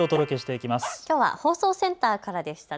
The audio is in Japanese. きょうは放送センターからでしたね。